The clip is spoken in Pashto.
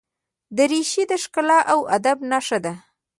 دریشي د ښکلا او ادب نښه ده.